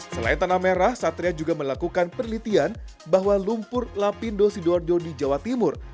selain tanah merah satria juga melakukan penelitian bahwa lumpur lapindo sidoarjo di jawa timur